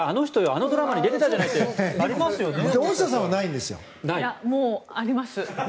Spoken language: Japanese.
あのドラマに出てたじゃないって大下さんはないんですよ。あります。